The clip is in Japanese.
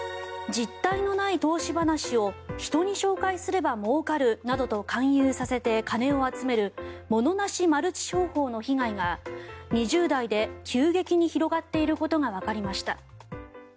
実体のない投資話を人に紹介すればもうかるなどと勧誘させて金を集めるモノなしマルチ商法の被害が２０代で急激に広がっていることがわかりました。